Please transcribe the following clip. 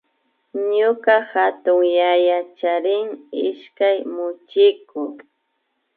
Ñuka hatunyaya charin ishkay muchiku